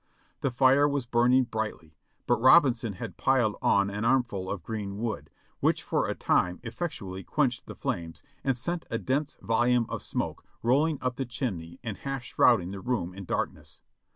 The fire was burning brightly, but Robinson had piled on an armful of green wood, which for a time effectually quenched the flames and sent a dense volume of smoke rolling up the chimney and half shrouding the room in darkness.